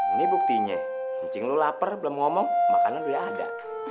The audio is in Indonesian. ini buktinya kuncing lu lapar belum ngomong makanan udah ada